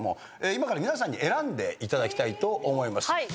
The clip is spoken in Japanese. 今から皆さんに選んでいただきたいと思います。